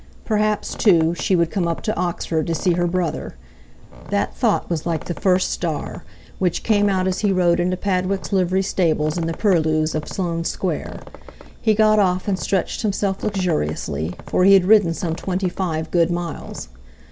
Perhaps, too, she would come up to Oxford to see her brother. That thought was like the first star, which came out as he rode into Padwick's livery stables in the purlieus of Sloane Square. He got off and stretched himself luxuriously, for he had ridden some twenty five good miles.